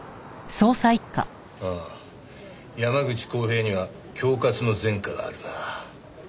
ああ山口孝平には恐喝の前科があるな。